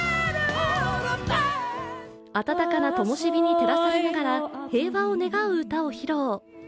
温かなともし火に照らされながら平和を願う歌を披露。